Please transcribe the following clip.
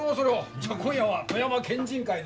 じゃ今夜は富山県人会ですな。